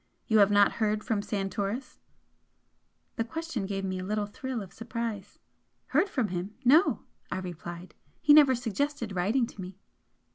You have not heard from Santoris?" The question gave me a little thrill of surprise. "Heard from him? No" I replied "He never suggested writing to me."